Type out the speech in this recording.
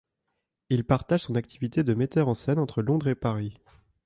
Il partage son activité de metteur en scène entre Londres et Paris.